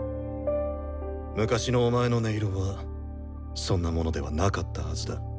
昔のお前の音色はそんなものではなかったはずだ。